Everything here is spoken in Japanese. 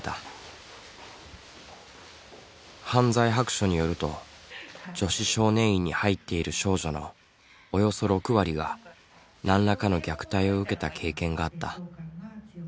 犯罪白書によると女子少年院に入っている少女のおよそ６割がなんらかの虐待を受けた経験があった。